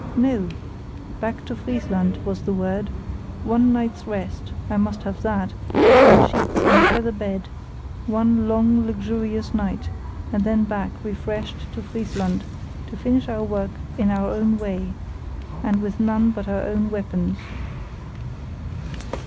No! Back to Friesland, was the word. One night's rest—I must have that—between sheets, on a feather bed; one long, luxurious night, and then back refreshed to Friesland, to finish our work in our own way, and with none but our own weapons.